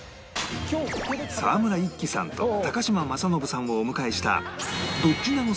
沢村一樹さんと嶋政伸さんをお迎えした